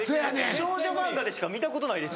少女漫画でしか見たことないです。